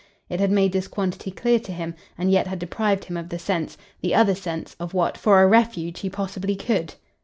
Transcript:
It had made this quantity clear to him, and yet had deprived him of the sense, the other sense, of what, for a refuge, he possibly COULD.